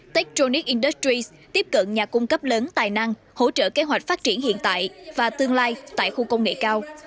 tectronic industries tiếp cận nhà cung cấp lớn tài năng hỗ trợ kế hoạch phát triển hiện tại và tương lai tại khu công nghệ cao